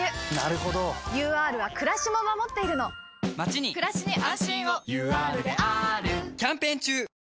ＵＲはくらしも守っているのまちにくらしに安心をＵＲであーるキャンペーン中！